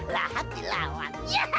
lahat di lawan